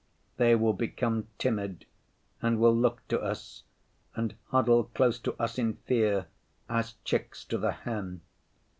They will become timid and will look to us and huddle close to us in fear, as chicks to the hen.